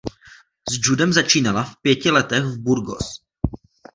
S judem začínala v pěti letech v Burgos.